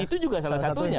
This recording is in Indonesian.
itu juga salah satunya